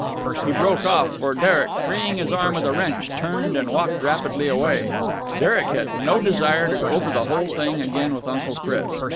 He broke off, for Derek, freeing his arm with a wrench, turned and walked rapidly away. Derek had no desire to go over the whole thing again with Uncle Chris.